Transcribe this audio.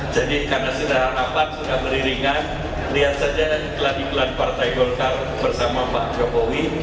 jadi karena sudah rapat sudah beriringan lihat saja kelajukan partai golkar bersama pak jokowi